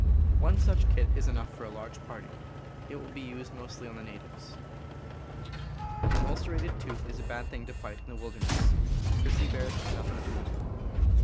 One such kit is enough for a large party. It will be used mostly on the natives. An ulcerated tooth is a bad thing to fight in the wil derness — grizzly bears are nothing to it.